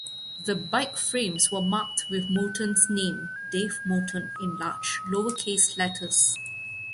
The bike frames were marked with Moulton's name, "Dave Moulton" in large lower-case letters.